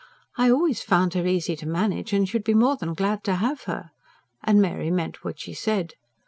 "I always found her easy to manage, and should be more than glad to have her"; and Mary meant what she said.